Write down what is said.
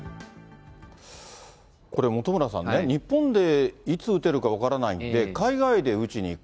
これ、本村さんね、日本でいつ打てるか分からないんで、海外で打ちに行く。